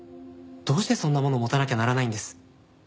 どうしてそんなもの持たなきゃならないんです？